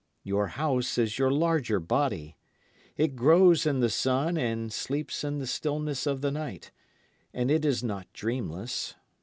Your house is your larger body. It grows in the sun and sleeps in the stillness of the night; and it is not dreamless.